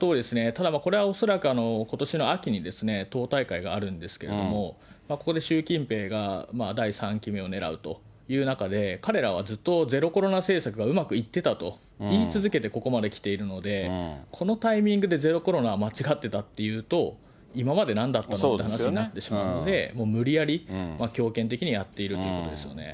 ただ、これは恐らく、ことしの秋に党大会があるんですけれども、ここで習近平が第３期目をねらうという中で、彼らはずっとゼロコロナ政策がうまくいってたと言い続けてここまできているので、このタイミングでゼロコロナは間違ってたっていうと、今までなんだったのって話になってしまうので、もう無理やり、強権的にやっているということですよね。